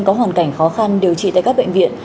có hoàn cảnh khó khăn điều trị tại các bệnh viện